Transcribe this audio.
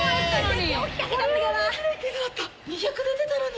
２００出てたのに。